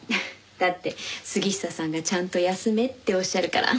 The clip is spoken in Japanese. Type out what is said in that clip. だって杉下さんがちゃんと休めっておっしゃるから。